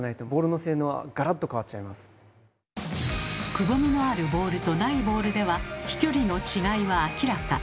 くぼみのあるボールとないボールでは飛距離の違いは明らか。